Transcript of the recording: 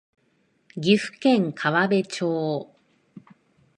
岐阜県川辺町